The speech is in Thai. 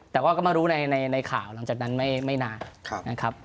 แต่ว่าก็มารู้ในข่าวหลังจากนั้นไม่นานนะครับ